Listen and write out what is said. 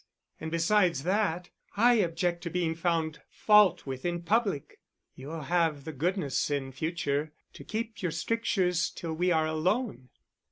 And besides that, I object to being found fault with in public. You will have the goodness in future to keep your strictures till we are alone."